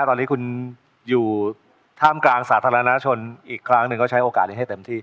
ตอนนี้คุณอยู่ท่ามกลางสาธารณชนอีกครั้งหนึ่งก็ใช้โอกาสนี้ให้เต็มที่